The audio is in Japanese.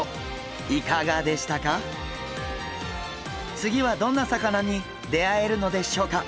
次はどんな魚に出会えるのでしょうか？